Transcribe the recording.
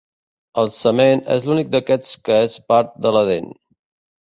El cement és l'únic d'aquests que és part de la dent.